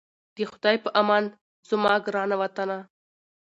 د خدای په امان زما ګرانه وطنه😞